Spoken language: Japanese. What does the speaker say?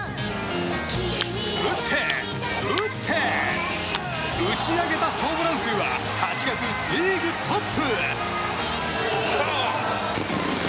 打って、打って打ち上げたホームラン数は８月リーグトップ！